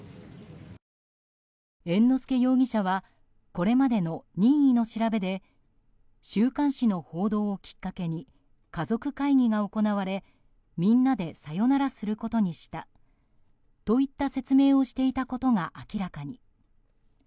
猿之助容疑者はこれまでの任意の調べで週刊誌の報道をきっかけに家族会議が行われみんなでさよならすることにしたといった説明をしていたことが明らかに。